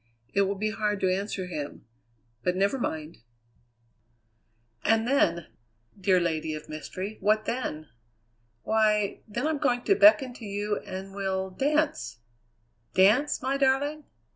It will be hard to answer him; but never mind!" "And then, dear lady of mystery, what then?" "Why, then I'm going to beckon to you and we'll dance " "Dance, my darling?"